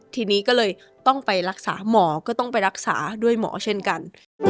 ทีนี้ก็เลยต้องไปรักษาหมอก็ต้องไปรักษาด้วยหมอเช่นกัน